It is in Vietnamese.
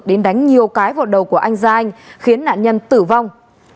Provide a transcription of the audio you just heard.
đến đánh nhiều cái vào đầu của anh gia anh khiến nạn nhân tử vong